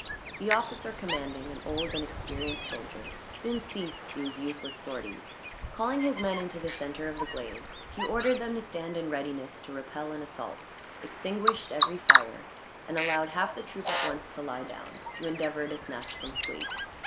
The officer commanding, an old and experienced soldier, soon ceased these useless sorties. Calling his men into the center of the glade; he ordered them to stand in readiness to repel an assault, extinguished every fire, and allowed half the troop at once to lie down, to endeavor to snatch some sleep.